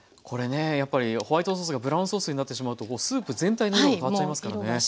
これねやっぱりホワイトソースがブラウンソースになってしまうとスープ全体の色が変わっちゃいますからね。